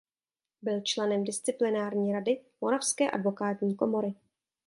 Byl členem disciplinární rady moravské advokátní komory.